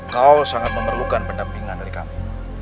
kau sangat memerlukan pendampingan dari kami